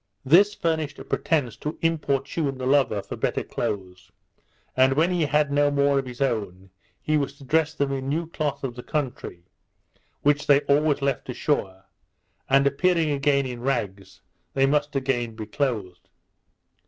This furnished a pretence to importune the lover for better clothes; and when he had no more of his own, he was to dress them in new cloth of the country, which they always left ashore; and appearing again in rags, they must again be clothed.